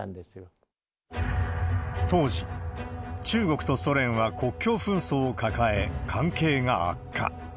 当時、中国とソ連は国境紛争を抱え、関係が悪化。